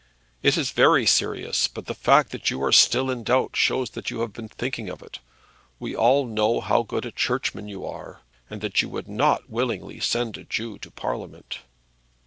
"It is very serious; but the fact that you are still in doubt shows that you have been thinking of it. We all know how good a churchman you are, and that you would not willingly send a Jew to Parliament."